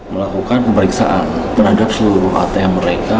melakukan pemeriksaan terhadap seluruh atm mereka